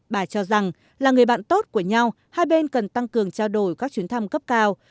bà cho rằng là người bạn tốt của nhau hai bên cần tăng cường trao đổi các chuyến thăm cấp cao